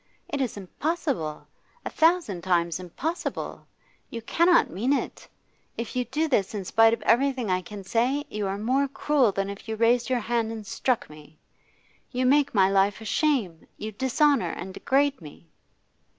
It is impossible, a thousand times impossible. You cannot mean it! If you do this in spite of everything I can say, you are more cruel than if you raised your hand and struck me. You make my life a shame; you dishonour and degrade me.